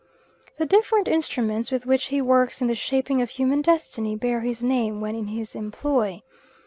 The different instruments with which he works in the shaping of human destiny bear his name when in his employ.